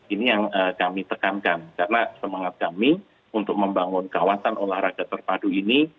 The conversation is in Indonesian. ini yang kami tekankan karena semangat kami untuk membangun kawasan olahraga terpadu ini